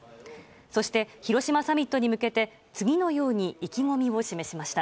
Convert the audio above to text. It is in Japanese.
そして、広島サミットに向けて次のように意気込みを示しました。